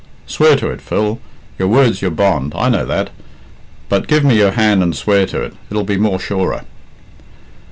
"Swear to it, Phil. Your word's your bond, I know that; but give me your hand and swear to it it'll be more surer."